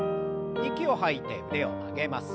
息を吐いて腕を曲げます。